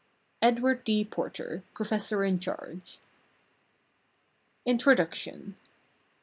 EDWARD D. PORTER, Professor in Charge. INTRODUCTION.